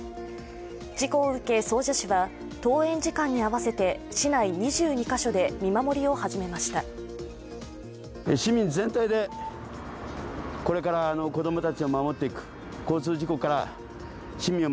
事故を受け総社市は登園時間に合わせて市内２２カ所で見守りを始めました。